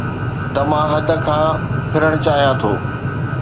ته مان حد کان ڦرڻ چاهيان ٿو